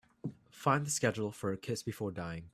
Find the schedule for A Kiss Before Dying.